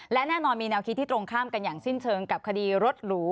และแน่นอนมีแนวคิดที่ตรงข้ามกันอย่างสิ้นเชิงกับคดีรถหรู